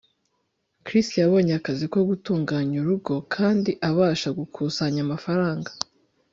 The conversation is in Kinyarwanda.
chris yabonye akazi ko gutunganya urugo kandi abasha gukusanya amafaranga